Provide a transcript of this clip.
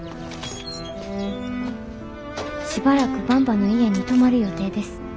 「しばらくばんばの家に泊まる予定です。